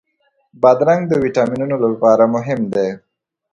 بادرنګ د ویټامینونو لپاره مهم دی.